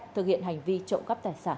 thực hiện hành vi trộm cắp tài sản